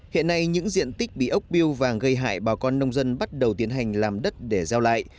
hiện nay những diện tích bị ốc biêu vàng gây hại bà con nông dân bắt đầu tiến hành làm đất để gieo lại